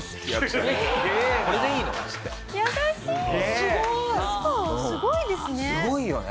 すごいですね。